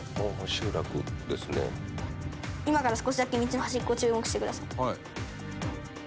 「今から少しだけ道の端っこに注目してください」